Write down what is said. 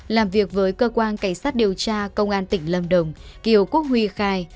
làm việc với cơ quan cảnh sát điều tra công an tỉnh lâm đồng kiều quốc huy khai